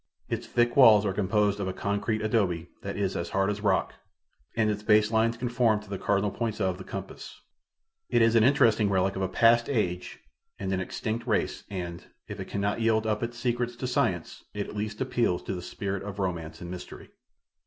Its thick walls are composed of a concrete adobe that is as hard as rock, and its base lines conform to the cardinal points of, the compass. It is an interesting relic of a past age and an extinct race and, if it cannot yield up its secrets to science, it at least appeals to the spirit of romance and mystery.